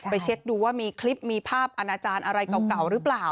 เช็คดูว่ามีคลิปมีภาพอาณาจารย์อะไรเก่าหรือเปล่า